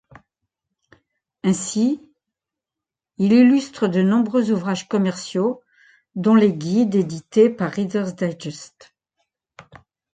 Ainsi il illustre de nombreux ouvrages commerciaux, dont les guides édités par Reader’s Digest.